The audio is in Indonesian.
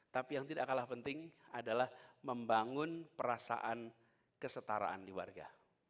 tapi yang tidak kalah penting adalah membangun perasaan kesetaraan di warga